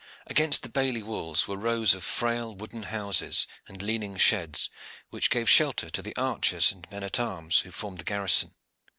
Against the bailey walls were rows of frail wooden houses and leaning sheds, which gave shelter to the archers and men at arms who formed the garrison.